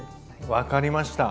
分かりました。